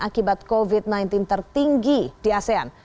akibat covid sembilan belas tertinggi di asean